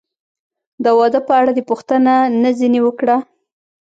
د واده په اړه دې پوښتنه نه ځنې وکړه؟